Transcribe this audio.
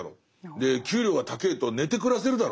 で給料が高ぇと寝て暮らせるだろって。